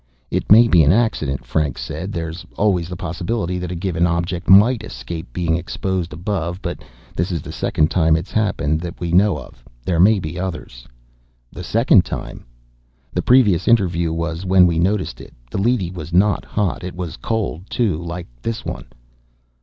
"It may be an accident," Franks said. "There's always the possibility that a given object might escape being exposed above. But this is the second time it's happened that we know of. There may be others." "The second time?" "The previous interview was when we noticed it. The leady was not hot. It was cold, too, like this one."